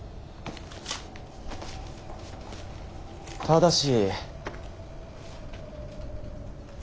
ただし。